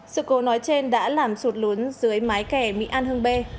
sự cố nói trên đã làm sụt lún dưới mái kè mỹ an hưng bê